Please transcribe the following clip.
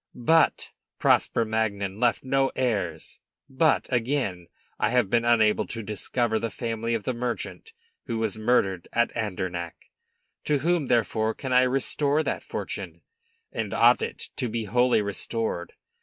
But Prosper Magnan left no heirs; but, again, I have been unable to discover the family of the merchant who was murdered at Andernach. To whom therefore can I restore that fortune? And ought it to be wholly restored?